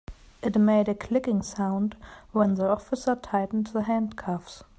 It made a clicking sound when the officer tightened the handcuffs.